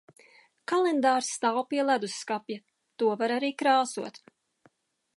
Kalendārs stāv pie ledusskapja. To var arī krāsot.